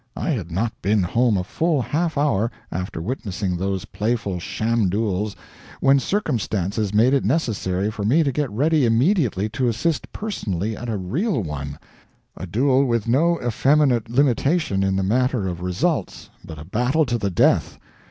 I had not been home a full half hour, after witnessing those playful sham duels, when circumstances made it necessary for me to get ready immediately to assist personally at a real one a duel with no effeminate limitation in the matter of results, but a battle to the death.